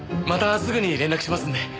またすぐに連絡しますので。